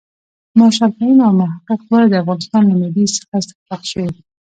مارشال فهیم او محقق دواړه د افغانستان له معدې څخه استفراق شوي.